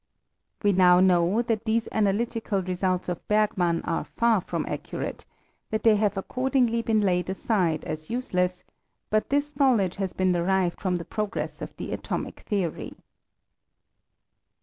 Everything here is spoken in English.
We now know that these analytical results of Bergman are far from accurate; they have accordingly been laid aside as useless : but this knowledge has been derived from the progress of the atomic theory.